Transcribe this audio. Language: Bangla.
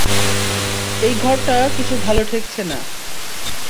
এই ঘরটা কিছু ভালো ঠেকছে না।